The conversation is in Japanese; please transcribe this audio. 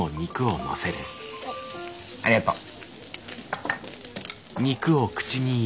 ありがとう。